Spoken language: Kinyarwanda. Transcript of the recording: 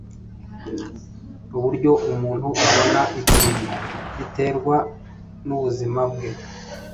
Uburyo umuntu abona ikintu biterwa nubuzima bwe.